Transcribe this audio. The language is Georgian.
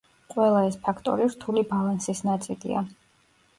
ყველა ეს ფაქტორი რთული ბალანსის ნაწილია.